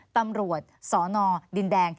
ตำรวจสนดินแดง